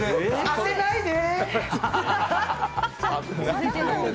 当てないで。